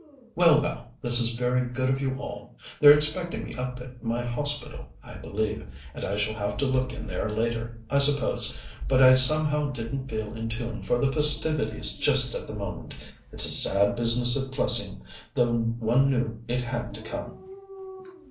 "Well, well, this is very good of you all. They're expecting me up at my Hospital, I believe, and I shall have to look in there later, I suppose, but I somehow didn't feel in tune for the festivities just at the moment. It's a sad business at Plessing, though one knew it had to come."